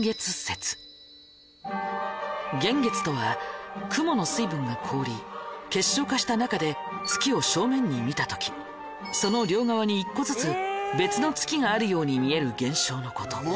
幻月とは雲の水分が凍り結晶化した中で月を正面に見たときその両側に１個ずつ別の月があるように見える現象のこと。